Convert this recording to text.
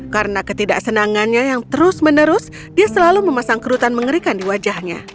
karena ketidaksenangannya yang terus menerus dia selalu memasang kerutan mengerikan di wajahnya